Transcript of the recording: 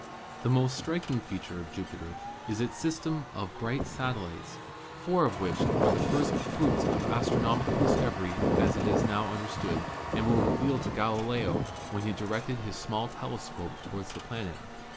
The most striking feature of Jupiter is its system of oright satellites, four of which were the first fruits of astronomical discovery as it is now understood, and were revealed to Galileo when he directed his small telescope toward the planet.